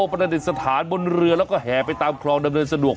ประดิษฐานบนเรือแล้วก็แห่ไปตามคลองดำเนินสะดวก